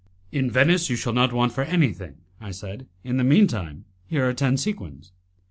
"In Venice you shall not want for anything," I said; "in the mean time, here are ten sequins."